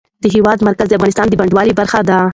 د هېواد مرکز د افغانستان د بڼوالۍ برخه ده.